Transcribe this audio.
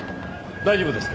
大丈夫ですか？